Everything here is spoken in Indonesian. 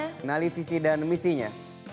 kenali visi dan misinya